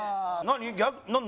何？